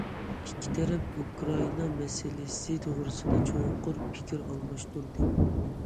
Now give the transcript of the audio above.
ئىككى تەرەپ ئۇكرائىنا مەسىلىسى توغرىسىدا چوڭقۇر پىكىر ئالماشتۇردى.